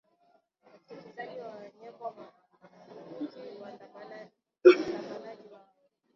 wakichagizwa na nyimbo lukuki waandamanaji hao